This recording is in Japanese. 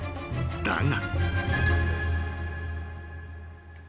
だが］